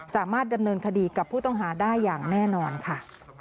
สามารถดำเนินคดีกับผู้ต้องหาได้อย่างแน่นอนค่ะ